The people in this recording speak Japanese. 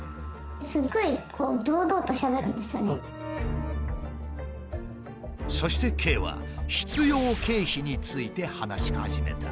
すごいそしてＫは必要経費について話し始めた。